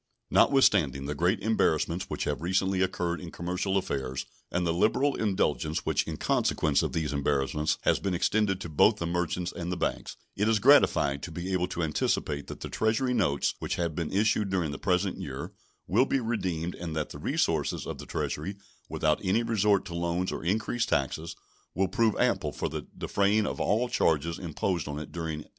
Notwithstanding the great embarrassments which have recently occurred in commercial affairs, and the liberal indulgence which in consequence of these embarrassments has been extended to both the merchants and the banks, it is gratifying to be able to anticipate that the Treasury notes which have been issued during the present year will be redeemed and that the resources of the Treasury, without any resort to loans or increased taxes, will prove ample for defraying all charges imposed on it during 1838.